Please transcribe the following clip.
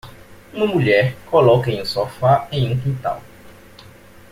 Uma mulher coloca em um sofá em um quintal.